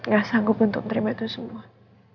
gak sanggup untuk terima itu sempat